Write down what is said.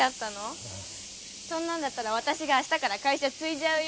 そんなんだったら私があしたから会社継いじゃうよ？